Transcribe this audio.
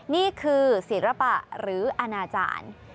นี่คือศิลปะหรืออนาจารย์